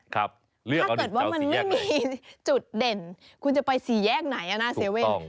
ถ้าเกิดว่ามันไม่มีจุดเด่นคุณจะไปสี่แยกไหนน่าเซเว่น